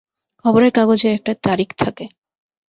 খবরের কাগজে একটা তারিখ থাকে।